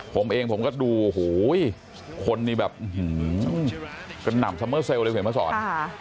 ผมเองผมก็ดูโอ้โหคนนี้แบบกระหน่ำซัมเมอร์เซลลเลยเห็นมาสอน